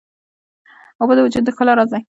اوبه د وجود د ښکلا راز دي.